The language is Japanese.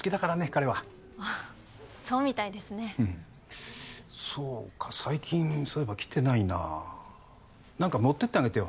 彼はあっそうみたいですねうんそうか最近そういえば来てないな何か持ってってあげてよ